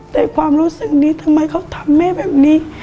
แต่ความรู้สึกนี้ทำไมเขาทำแม่แบบนี้